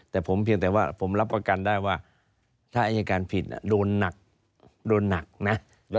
แต่ผมเป็นเพียรถว่าผมรับก็ได้ว่าอัยการผิดโดนหนักนะ